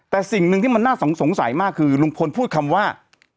แต่สิ่งหนึ่งที่มันน่าสงสัยมากคือลุงพลพูดคำว่า